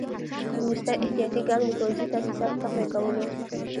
وروستی احتیاطي ګام د پوځي تاسیساتو تقویه کول وو.